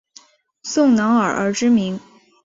宋能尔而知名。